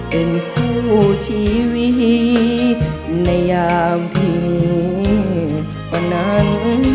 เป็นคู่ชีวิตในยามที่วันนั้น